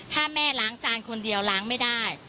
ถ้าแม่ล้างจานคนเดียวล้างไม่ได้